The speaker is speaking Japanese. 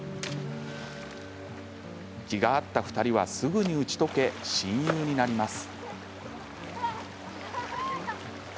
気が合った２人はすぐに打ち解け親友になります。